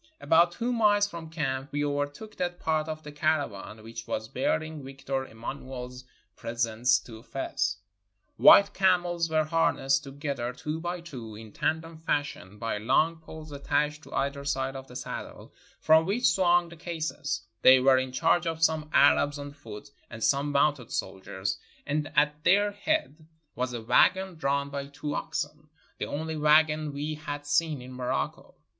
About two miles from camp we overtook that part of the caravan which was bearing Victor Emmanuel's presents to Fez, White camels were harnessed together, two by two, in tandem fashion, by long poles attached to either side of the saddle, from which swung the cases; they were in charge of some Arabs on foot and some mounted soldiers, and at their head was a wagon drawn by two oxen, the only wagon we had seen in Morocco!